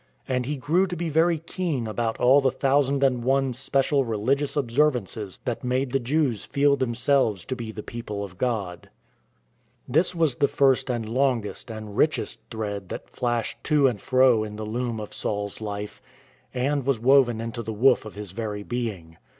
And he grew to be very keen about all the thousand and one special religious observances that made the Jews feel themselves to be the people of God. This was the first and longest and richest thread that flashed to and fro in the loom of Saul's life, and was woven into the woof of his very being.